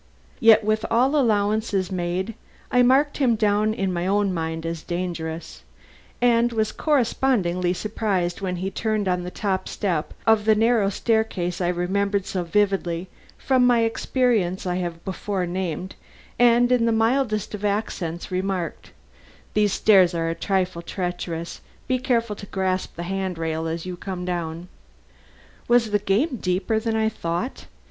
Yet with all allowances made I marked him down in my own mind as dangerous, and was correspondingly surprised when he turned on the top step of the narrow staircase I remembered so vividly from the experience I have before named, and in the mildest of accents remarked: "These stairs are a trifle treacherous. Be careful to grasp the hand rail as you come down." Was the game deeper than I thought?